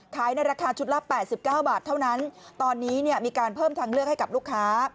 ในราคาชุดละ๘๙บาทเท่านั้นตอนนี้เนี่ยมีการเพิ่มทางเลือกให้กับลูกค้า